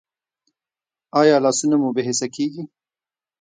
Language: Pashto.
ایا لاسونه مو بې حسه کیږي؟